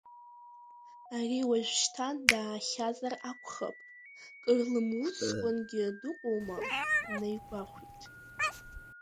Ари уажәшьҭа даахьазар акәхап, кырлымуцкәангьы дыҟоума, наигәахәит.